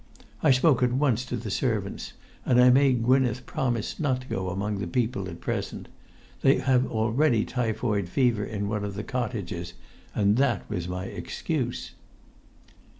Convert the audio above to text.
I spoke at once to the servants, and I made Gwynneth promise not to go among the people at present; they have already typhoid fever in one of the cottages, and that was my excuse."